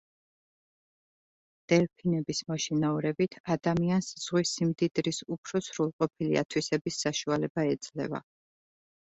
დელფინების მოშინაურებით ადამიანს ზღვის სიმდიდრის უფრო სრულყოფილი ათვისების საშუალება ეძლევა.